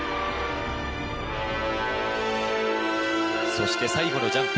そして最後のジャンプ。